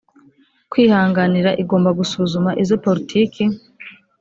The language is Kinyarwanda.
kwihanganira igomba gusuzuma izo politiki